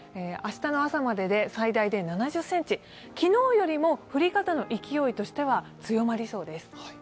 明日の朝までで最大で７０ｃｍ、昨日よりも降り方の勢いとしては強まりそうです。